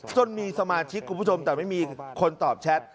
จนมีสมาชิกคุณผู้ชมแต่ไม่มีคนตอบแชท